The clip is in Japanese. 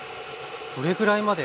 どれぐらいまで？